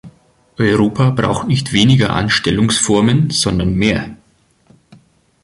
Europa braucht nicht weniger Anstellungsformen, sondern mehr.